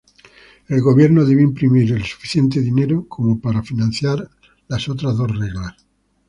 El gobierno debe imprimir el suficiente dinero como para financiar las otras dos reglas.